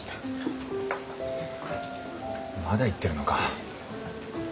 まだ行ってるのか？